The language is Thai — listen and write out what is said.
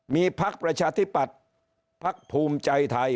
มีภักดิ์ประชาธิบัติภักดิ์ภูมิใจไทย